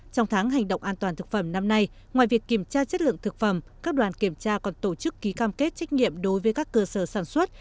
trong tháng hành động an toàn thực phẩm năm nay ngoài việc kiểm tra chất lượng thực phẩm các đoàn kiểm tra còn tổ chức ký cam kết trách nhiệm đối với các cơ sở sản xuất